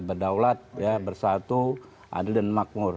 berdaulat bersatu adil dan makmur